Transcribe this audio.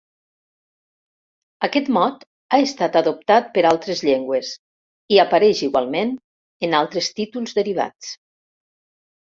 Aquest mot ha estat adoptat per altres llengües i apareix igualment en altres títols derivats.